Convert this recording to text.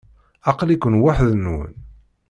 Aql-iken weḥd-nwen?